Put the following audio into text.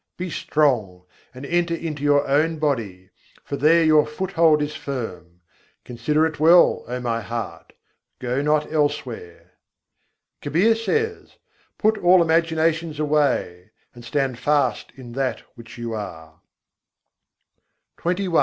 Be strong, and enter into your own body: for there your foothold is firm. Consider it well, O my heart! go not elsewhere, Kabîr says: "Put all imaginations away, and stand fast in that which you are." XXI II.